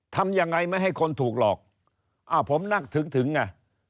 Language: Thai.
ทำยังไงไม่ให้คนถูกหลอกอ้าวผมนึกถึงถึงไง